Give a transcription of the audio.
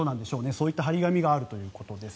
そういった貼り紙があるということです。